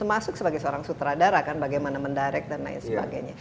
termasuk sebagai seorang sutradara kan bagaimana mendirect dan lain sebagainya